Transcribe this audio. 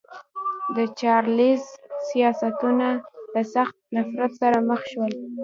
د چارلېز سیاستونه له سخت نفرت سره مخ شول.